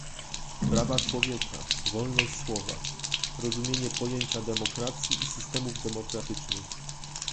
prawa człowieka, wolność słowa, rozumienie pojęcia demokracji i systemów demokratycznych